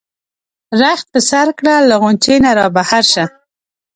رخت په سر کړه له غُنچې نه را بهر شه.